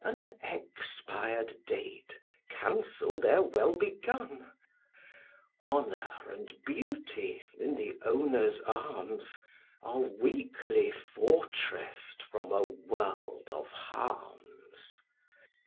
An expired date, cancell'd ere well begun: Honour and beauty, in the owner's arms, Are weakly fortress'd from a world of harms.